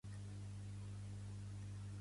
Té l'origen en les armes personals la casa reial.